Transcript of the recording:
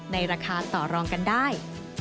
ในราคาต่อรองกันได้